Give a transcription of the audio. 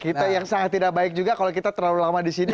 kita yang sangat tidak baik juga kalau kita terlalu lama di sini